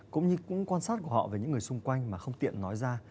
cũng như cũng quan sát của họ về những người xung quanh mà không tiện nói ra